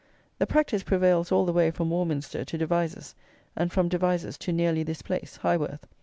The practice prevails all the way from Warminster to Devizes, and from Devizes to nearly this place (Highworth).